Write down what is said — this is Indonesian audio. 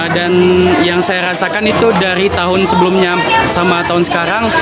dan yang saya rasakan itu dari tahun sebelumnya sama tahun sekarang